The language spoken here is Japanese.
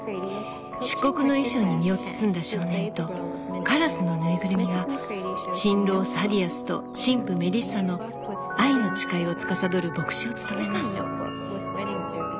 漆黒の衣装に身を包んだ少年とカラスの縫いぐるみが新郎サディアスと新婦メリッサの愛の誓いをつかさどる牧師を務めます。